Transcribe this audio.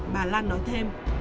bà lan nói thêm